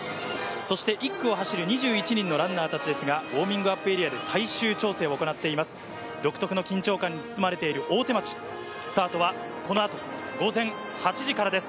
そして１区を走る２１人のランナーたちですが、ウオーミングアップエリアで最終調整を行っています。